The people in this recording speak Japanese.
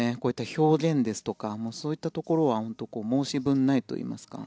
表現ですとかそういったところは申し分ないといいますか。